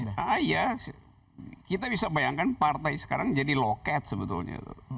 nah iya kita bisa bayangkan partai sekarang jadi loket sebetulnya